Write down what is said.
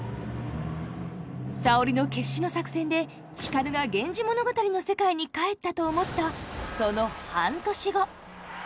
沙織の決死の作戦で光が「源氏物語」の世界に帰ったと思ったその半年後。